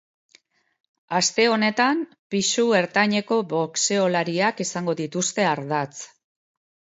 Aste honetan, pisu ertaineko boxeolariak izango dituzte ardatz.